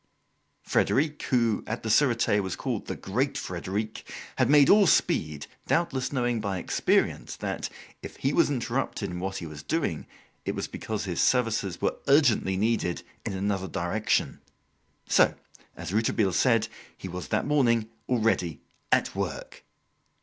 Frederic who, at the Surete, was called the "great Frederic," had made all speed, doubtless knowing by experience that, if he was interrupted in what he was doing, it was because his services were urgently needed in another direction; so, as Rouletabille said, he was that morning already "at work."